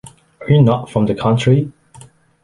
Are you not from the country?